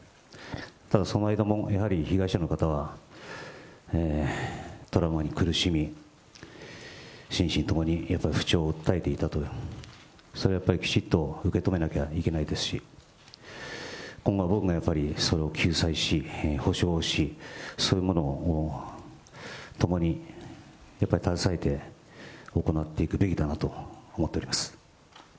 ただその間も、やはり被害者の方は、トラウマに苦しみ、心身ともにやっぱり不調を訴えていたと、それはやっぱりきちっと受け止めなきゃいけないですし、今後は僕がやっぱり救済し、補償をし、そういうものをともに携えて行っていくべきだなと思っております。